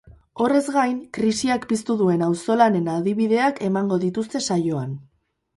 Horrez gain, krisiak piztu duen auzolanen adibideak emango dituzte saioan.